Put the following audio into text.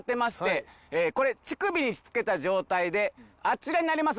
これ乳首につけた状態であちらにあります